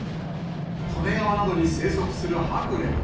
利根川などに生息するハクレン。